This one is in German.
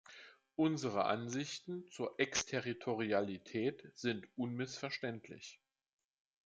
Unsere Ansichten zur Exterritorialität sind unmissverständlich.